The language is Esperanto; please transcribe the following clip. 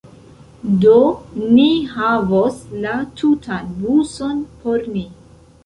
Do, ni havos la tutan buson por ni